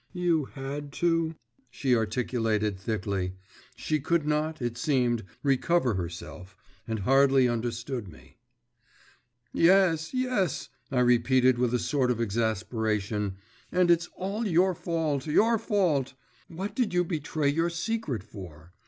…' 'You had to?' she articulated thickly. She could not, it seemed, recover herself, and hardly understood me. 'Yes, yes,' I repeated with a sort of exasperation, 'and it's all your fault, your fault. What did you betray your secret for?